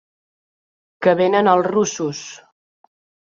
Que vénen els russos!